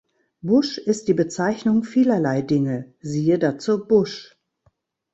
Busch ist die Bezeichnung vielerlei Dinge, siehe dazu Busch.